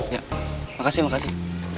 ya makasih makasih